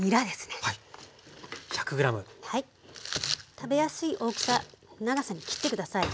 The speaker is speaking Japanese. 食べやすい大きさ長さに切って下さい。